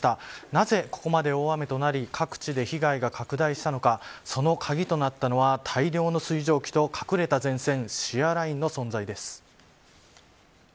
なぜ、ここまで大雨となり各地で被害が拡大したのかその鍵となったのは大量の水蒸気と隠れた前線